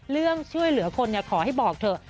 ช่วยเหลือคนขอให้บอกเถอะ